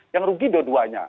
yang rugi dua duanya